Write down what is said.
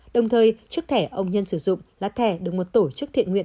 đồng thời trước thẻ ông nhân sử dụng là thẻ được một tổ chức thiện nguyện